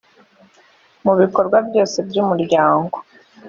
mu bikorwa byose by umuryango